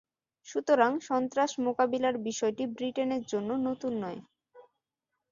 সুতরাং, সন্ত্রাস মোকাবিলার বিষয়টি ব্রিটেনের জন্য নতুন নয়।